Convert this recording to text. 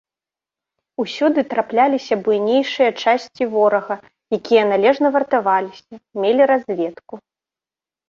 Усюды трапляліся буйнейшыя часці ворага, якія належна вартаваліся, мелі разведку.